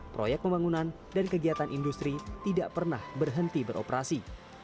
proyek pembangunan dan kegiatan industri tidak pernah berhenti beroperasi